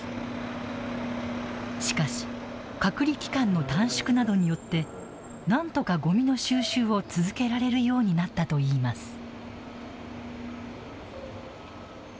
しかし隔離期間の短縮などによってなんとか、ごみの収集を続けられるようになったといいます。